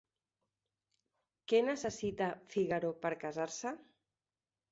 Què necessita Fígaro per casar-se?